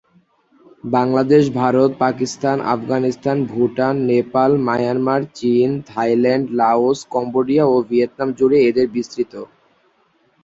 Bangladesh, Bharat, Pakistan, Afghanistan, Bhutan, Nepal, Myanmar, চীন, Thailand, Laos, Cambodia ও Vietnam জুড়ে এদের বিস্তৃতি।